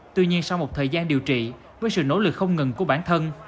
tuy nhiên sau một thời gian điều trị với sự nỗ lực không ngừng của bản thân